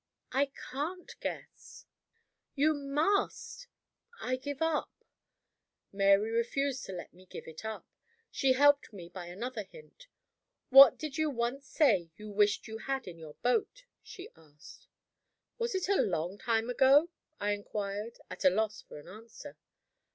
"I can't guess." "You must!" "I give it up." Mary refused to let me give it up. She helped me by another hint. "What did you once say you wished you had in your boat?" she asked. "Was it long ago?" I inquired, at a loss for an answer.